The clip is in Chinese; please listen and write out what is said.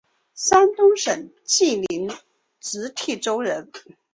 山东省济宁直隶州人。